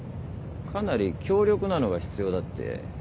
かなり強力なのが必要だって。